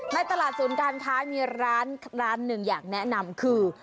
ในตลาดศูนย์การค้ามีร้านหนึ่งอยากแนะนำคือ